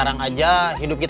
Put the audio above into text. ya opasi tuh podcast